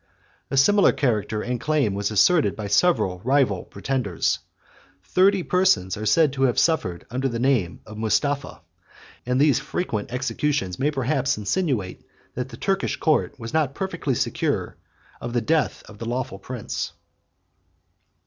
A similar character and claim was asserted by several rival pretenders: thirty persons are said to have suffered under the name of Mustapha; and these frequent executions may perhaps insinuate, that the Turkish court was not perfectly secure of the death of the lawful prince.